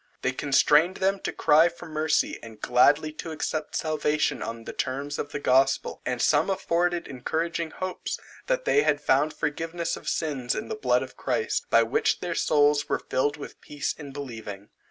This constrained them to cry for mercy, and gladly to accept salvation on the terms of the gospel: and some afforded encouraging hopes, that they had found forgiveness of sins in the blood of Christ, by which their souls were filled with peace in believing.